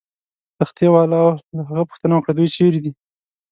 تختې والاو له هغه پوښتنه وکړه: دوی چیرې دي؟